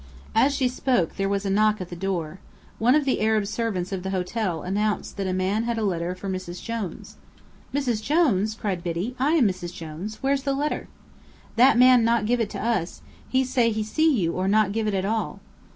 As she spoke, there was a knock at the door. One of the Arab servants of the hotel announced that a man had a letter for Mrs. Jones. "Mrs. Jones?" cried Biddy. "I am Mrs. Jones. Where's the letter?" "That man not give it to us. He say he see you or not give it at all."